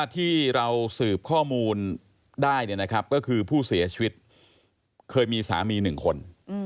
ที่เราสืบข้อมูลได้เนี่ยนะครับก็คือผู้เสียชีวิตเคยมีสามีหนึ่งคน